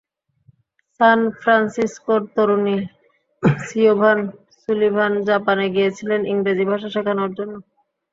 সান ফ্রান্সিসকোর তরুণী Siobhan Sullivan জাপানে গিয়েছিলেন ইংরেজি ভাষা শেখানোর জন্য।